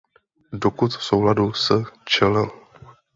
Dokud v souladu s čl.